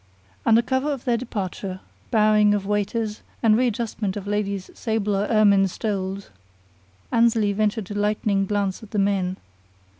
Under cover of their departure, bowing of waiters and readjustment of ladies' sable or ermine stoles, Annesley ventured a lightning glance at the men.